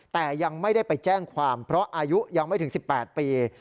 แต่ยังไม่ได้ไปแจ้งความเพราะอายุยังไม่ถึง๑๘ปี